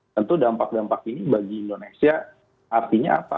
tentu dampak dampak ini bagi indonesia artinya apa